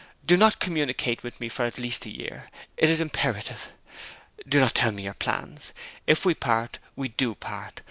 Do not communicate with me for at least a year: it is imperative. Do not tell me your plans. If we part, we do part.